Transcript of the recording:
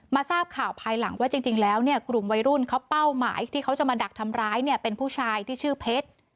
ทราบข่าวภายหลังว่าจริงแล้วเนี่ยกลุ่มวัยรุ่นเขาเป้าหมายที่เขาจะมาดักทำร้ายเนี่ยเป็นผู้ชายที่ชื่อเพชร